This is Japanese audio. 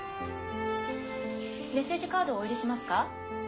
メッセージカードをお入れしますか？